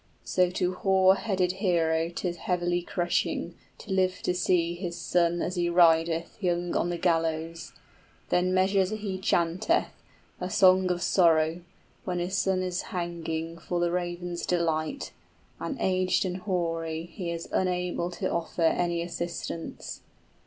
{[A parallel case is supposed.]} So to hoar headed hero 'tis heavily crushing To live to see his son as he rideth Young on the gallows: then measures he chanteth, 55 A song of sorrow, when his son is hanging For the raven's delight, and aged and hoary He is unable to offer any assistance.